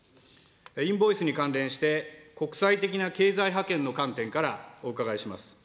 インボイスに関連して、国際的な経済覇権の観点からお伺いします。